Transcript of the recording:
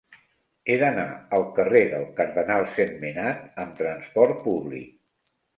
He d'anar al carrer del Cardenal Sentmenat amb trasport públic.